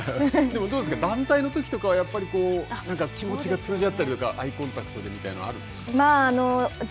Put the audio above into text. でもどうですか団体のときとかは何か気持ちが通じ合ったりとか、アイコンタクトでみたいなのあるんですか。